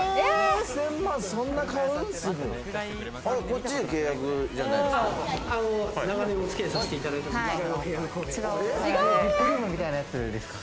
こっちで契約じゃないんですか？